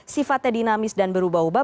sifatnya dinamis dan berubah ubah